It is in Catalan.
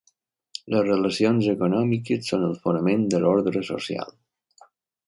Les relacions econòmiques són el fonament de l'ordre social.